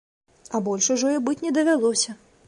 А больш ужо і быць не давялося.